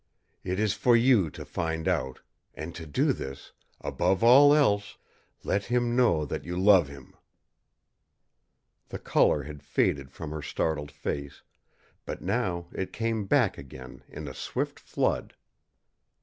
It is for you to find out, and to do this, above all else let him know that you love him!" The color had faded from her startled face, but now it came back again in a swift flood.